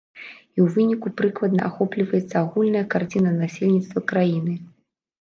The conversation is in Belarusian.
І ў выніку прыкладна ахопліваецца агульная карціна насельніцтва краіны.